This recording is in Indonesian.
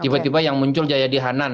tiba tiba yang muncul jayadi hanan